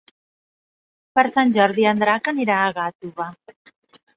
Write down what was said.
Per Sant Jordi en Drac anirà a Gàtova.